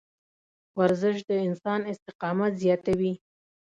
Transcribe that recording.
ورزش د انسان استقامت زیاتوي.